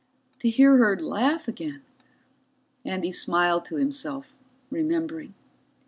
To hear her laugh again! Andy smiled to himself, remembering.